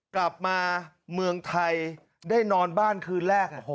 กลับมาเมืองไทยได้นอนบ้านคืนแรก